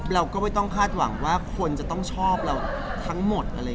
เราก็ไม่ต้องคาดหวังว่าคนจะต้องชอบเราทั้งหมด